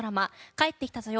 「帰ってきたぞよ！